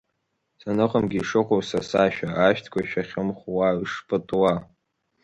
Саныҟамгьы ишыҟоу са сашәа, ашәҭқәа шәахьымхәуа, ишпытуа.